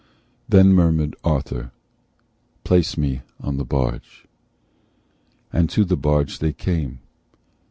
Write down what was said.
Then murmured Arthur, "Place me in the barge." So to the barge they came.